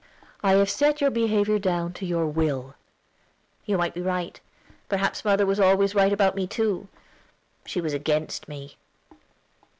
"I have set your behavior down to your will." "You may be right. Perhaps mother was always right about me too; she was against me."